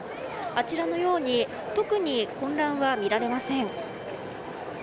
あちらのように特に混乱は見られません。